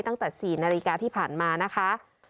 ตั้งแต่๔นาฬิกาที่ผ่านมานะคะ